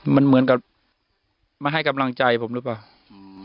มันเหมือนกับมาให้กำลังใจผมหรือเปล่าอืม